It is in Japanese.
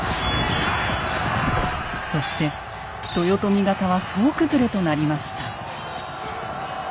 そして豊臣方は総崩れとなりました。